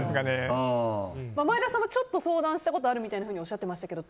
前田さんもちょっと相談したことがあるというふうにおっしゃってましたけど